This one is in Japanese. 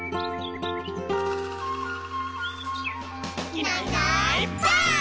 「いないいないばあっ！」